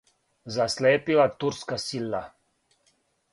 Заслепила турска сила